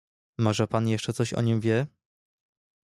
"Może pan jeszcze coś o nim wie?"